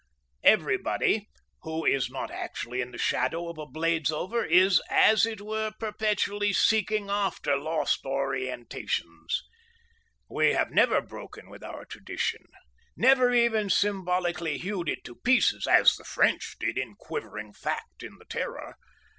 Everybody who is not actually in the shadow of a Bladesover is as it were perpetually seeking after lost orientations. We have never broken with our tradition, never even symbolically hewed it to pieces, as the French did in quivering fact in the Terror.